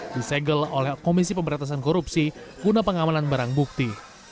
disegel oleh komisi pemberantasan korupsi guna pengamanan barang bukti